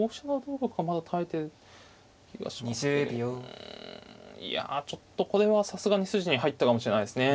うんいやちょっとこれはさすがに筋に入ったかもしれないですね。